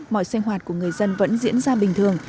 mọi sinh hoạt của người dân vẫn diễn ra bình thường